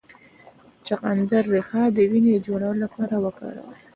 د چغندر ریښه د وینې د جوړولو لپاره وکاروئ